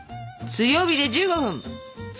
強火で１５分。